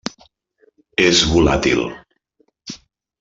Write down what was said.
És volàtil.